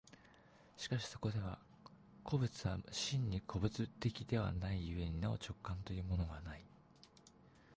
しかしそこでは個物は真に個物的ではない故になお直観というものはない。